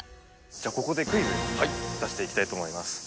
じゃあここでクイズ出していきたいと思います。